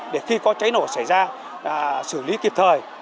để khi có cháy nổ xảy ra xử lý kịp thời